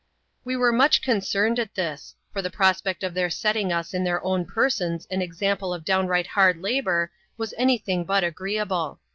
We were much concerned at this ; for the prospect of their setting us in their own persons an example of downright hard labour, was any thing but agreeable.